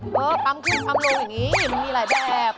พมปลำขึ้นพมลงอย่างนี้มันมีหลายแบบ